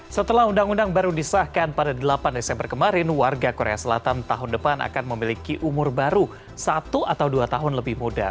setelah undang undang baru disahkan pada delapan desember kemarin warga korea selatan tahun depan akan memiliki umur baru satu atau dua tahun lebih muda